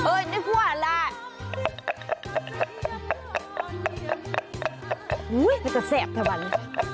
เฮ้ยได้กว่าละอุ้ยมันจะแสบเท่าไหร่